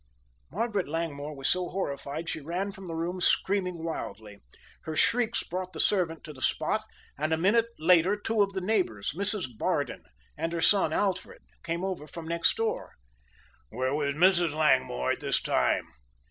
"Margaret Langmore was so horrified she ran from the room screaming wildly. Her shrieks brought the servant to the spot, and a minute later two of the neighbors, Mrs. Bardon and her son Alfred, came over from next door." "Where was Mrs. Langmore at this time?"